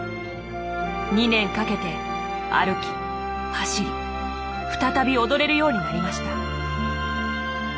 ２年かけて歩き走り再び踊れるようになりました。